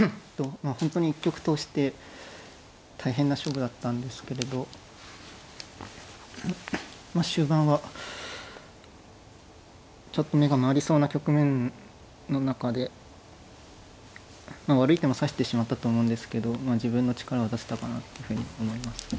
本当に一局通して大変な勝負だったんですけれどまあ終盤はちょっと目が回りそうな局面の中でまあ悪い手も指してしまったと思うんですけどまあ自分の力は出せたかなっていうふうに思います。